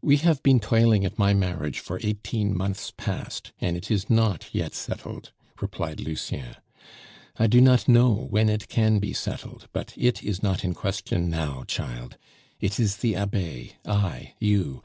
"We have been toiling at my marriage for eighteen months past, and it is not yet settled," replied Lucien. "I do not know when it can be settled; but it is not in question now, child! It is the Abbe, I, you.